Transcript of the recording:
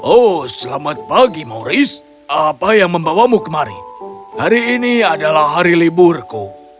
oh selamat pagi mauris apa yang membawamu kemari hari ini adalah hari liburku